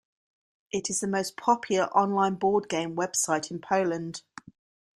It is the most popular on-line board game website in Poland.